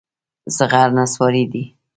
زغر نصواري دي.